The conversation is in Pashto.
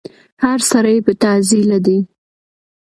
هر سړی په تعضيله دی